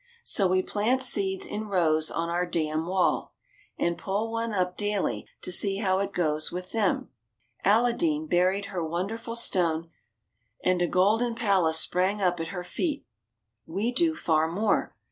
So we plant seeds in rows on our dam wall, and pull one up daily to see how it goes with them. Alladeen buried her wonderful stone, and a golden palace sprang up at her feet. We do far more.